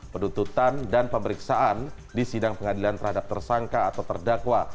penuntutan dan pemeriksaan di sidang pengadilan terhadap tersangka atau terdakwa